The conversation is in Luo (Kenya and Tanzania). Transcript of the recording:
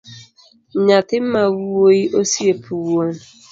Nyathi mawuoyi osiep wuon